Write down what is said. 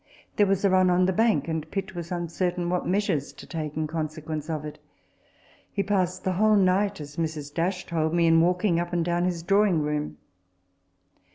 There was a run on the bank, and Pitt was un certain what measures to take in consequence of it. He passed the whole night (as Mrs. told me) in walking up and down his drawing room.